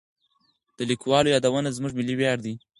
د لیکوالو یادونه زموږ ملي ویاړ دی.